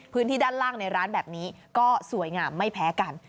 พื้นที่ด้านล่างในร้านแบบนี้ก็สวยงามไม่แพ้กัน